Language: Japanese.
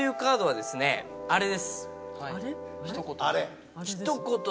あれ？